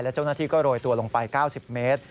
เจ้าหน้าที่ก็โรยตัวลงไป๙๐เมตร